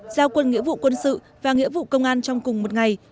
giao quân nghĩa vụ quân sự và nghĩa vụ công an trong cùng một ngày